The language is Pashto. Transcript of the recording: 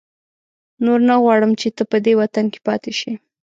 نور نه غواړم چې ته په دې وطن کې پاتې شې.